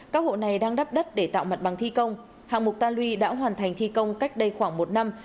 các hộ này đang đắp đất để tạo mặt bằng thi công hạng mục ta lui đã hoàn thành thi công cách đây khoảng một năm